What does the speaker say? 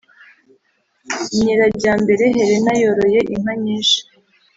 Nyirajyambere Helena yoroye inka nyinshi